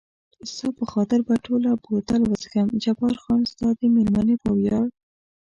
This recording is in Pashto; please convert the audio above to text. ستا په خاطر به ټوله بوتل وڅښم، جبار خان ستا د مېرمنې په ویاړ.